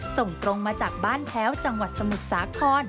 ส่งตรงมาจากบ้านแพ้วจังหวัดสมุทรสาคร